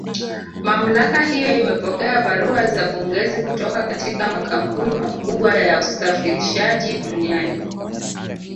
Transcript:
Mamlaka hiyo imepokea barua za pongezi kutoka katika makampuni makubwa ya usafirishaji duniani